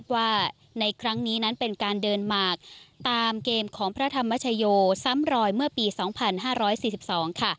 ว่าในครั้งนี้นั้นเป็นการเดินหมากตามเกมของพระธรรมชโยซ้ำรอยเมื่อปี๒๕๔๒ค่ะ